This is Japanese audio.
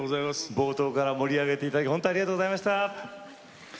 冒頭から盛り上げていただきありがとうございました。